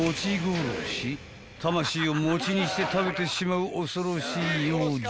［魂を餅にして食べてしまう恐ろしい妖術］